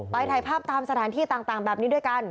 ถ่ายภาพตามสถานที่ต่างแบบนี้ด้วยกัน